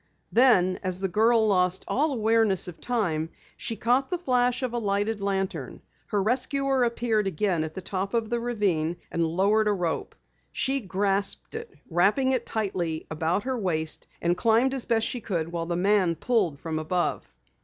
Then as the girl lost all awareness of time, she caught the flash of a lighted lantern. Her rescuer appeared again at the top of the ravine and lowered a rope. She grasped it, wrapping it tightly about her wrist, and climbed as best she could while the man pulled from above.